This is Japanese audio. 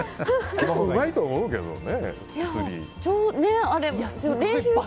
結構、うまいと思うけどね。